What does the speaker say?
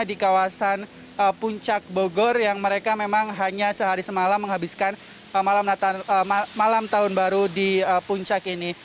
di kawasan puncak bogor yang mereka memang hanya sehari semalam menghabiskan malam tahun baru di puncak ini